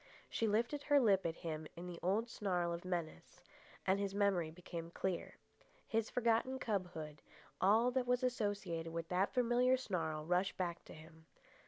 She lifted her lip at him in the old snarl of menace, and his memory became clear. His forgotten cubhood, all that was associated with that familiar snarl, rushed back to him.